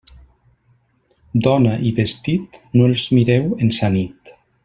Dona i vestit, no els mireu en sa nit.